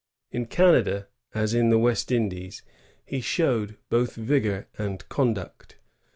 In Canada, as in the West Indies, he showed both vigor and conduct.